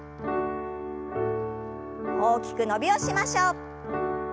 大きく伸びをしましょう。